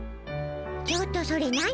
ちょっとそれ何？